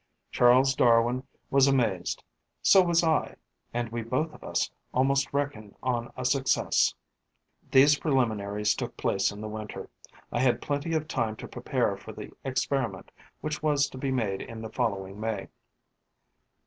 Charles Darwin was amazed; so was I; and we both of us almost reckoned on a success. These preliminaries took place in the winter; I had plenty of time to prepare for the experiment which was to be made in the following May.